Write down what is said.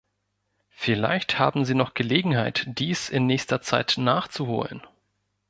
Vielleicht haben Sie noch Gelegenheit, dies in nächster Zeit nachzuholen.